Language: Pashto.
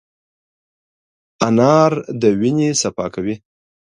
انار د وینې صفا کوي.